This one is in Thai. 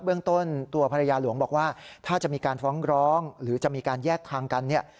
เรื่องต้นตัวภรรยาหลวงบอกว่าถ้าจะมีการฟ้องร้องหรือจะมีการแยกทางกันเนี่ย